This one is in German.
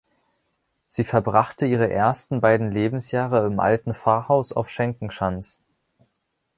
Sie verbrachte ihre ersten beiden Lebensjahre im alten Pfarrhaus auf Schenkenschanz.